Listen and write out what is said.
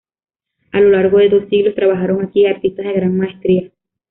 A lo largo de dos siglos trabajaron aquí artistas de gran maestría.